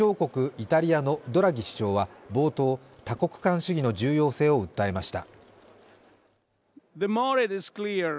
イタリアのドラギ首相は冒頭、多国間主義の重要性を訴えました。